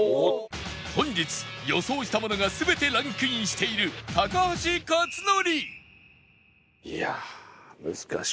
本日予想したものが全てランクインしている高橋克典